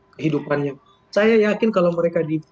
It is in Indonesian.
kehidupannya saya yakin kalau mereka di